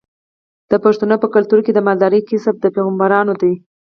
د پښتنو په کلتور کې د مالدارۍ کسب د پیغمبرانو دی.